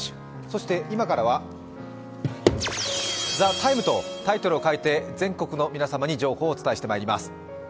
そして今からは「ＴＨＥＴＩＭＥ，」とタイトルを変えて全国の皆様に情報をお伝えしてまいります。